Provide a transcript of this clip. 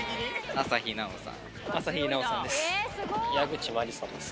朝日奈央さんです。